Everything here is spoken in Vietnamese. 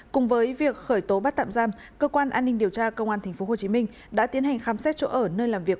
cùng với việc khởi tố bắt tạm giam cơ quan an ninh điều tra công an tp hcm đã tiến hành khám xét chỗ ở nơi làm việc